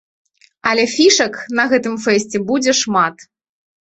Але фішак на гэтым фэсце будзе шмат.